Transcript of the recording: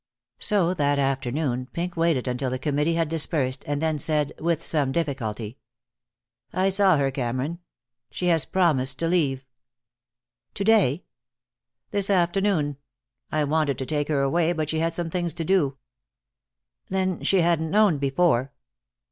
So, that afternoon, Pink waited until the Committee had dispersed, and then said, with some difficulty: "I saw her, Cameron. She has promised to leave." "To day?" "This afternoon. I wanted to take her away, but she had some things to do." "Then she hadn't known before?"